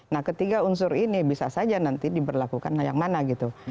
nah ketiga unsur ini bisa saja nanti diberlakukan yang mana gitu